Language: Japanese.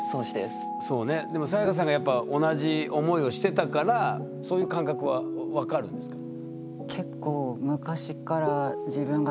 サヤカさんがやっぱ同じ思いをしてたからそういう感覚はわかるんですか？